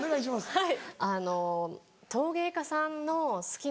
はい。